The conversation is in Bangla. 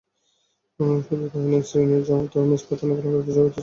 শুধু তা-ই নয়, শ্রীনির জামাতাও ম্যাচ পাতানো কেলেঙ্কারিতে জড়িত বলে প্রমাণিত হয়েছে।